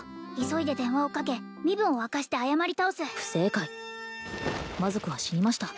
急いで電話をかけ身分を明かして謝り倒す不正解魔族は死にました